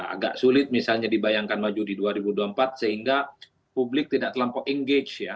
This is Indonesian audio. agak sulit misalnya dibayangkan maju di dua ribu dua puluh empat sehingga publik tidak terlampau engage ya